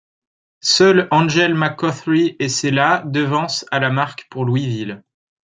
Seule Angel McCoughtry et ses la devancent à la marque pour Louisville.